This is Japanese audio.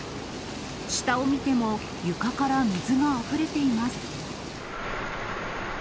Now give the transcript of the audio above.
下を見ても、床から水があふれています。